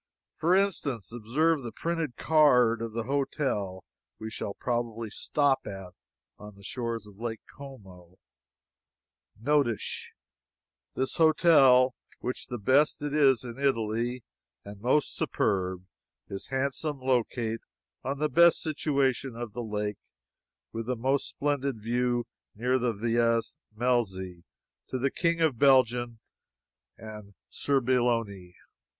For instance, observe the printed card of the hotel we shall probably stop at on the shores of Lake Como: "NOTISH." "This hotel which the best it is in Italy and most superb, is handsome locate on the best situation of the lake, with the most splendid view near the Villas Melzy, to the King of Belgian, and Serbelloni.